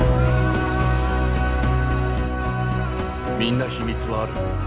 みんな秘密はある。